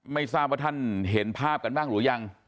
ไม่ทราบว่าท่านเห็นภาพกันบ้างหรือยัง